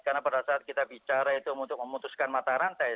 karena pada saat kita bicara itu untuk memutuskan mata rantai